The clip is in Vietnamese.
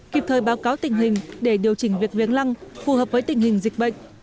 kịp thời báo cáo tình hình để điều chỉnh việc viếng lăng phù hợp với tình hình dịch bệnh